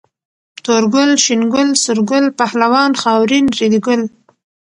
تور ګل، شين ګل، سور ګل، پهلوان، خاورين، ريدي ګل